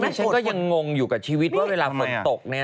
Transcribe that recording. ฉันก็ยังงงอยู่กับชีวิตว่าเวลาฝนตกเนี่ย